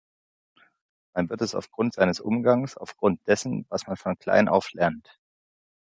Man wird es aufgrund seines Umgangs, aufgrund dessen, was man von klein auf lernt.